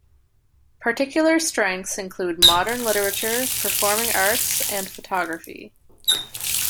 Particular strengths include modern literature, performing arts, and photography.